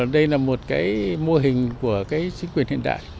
đây là một cái mô hình của chính quyền hiện đại